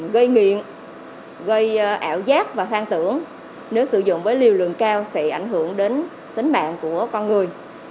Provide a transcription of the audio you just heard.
gây nghiện gây ảo giác và hoang tưởng nếu sử dụng với liều lượng cao sẽ ảnh hưởng đến tính mạng của con người